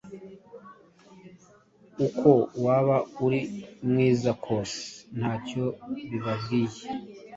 uko waba ari mwiza kose ntacyo bibabwiye,